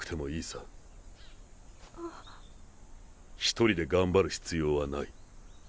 ひとりで頑張る必要はない。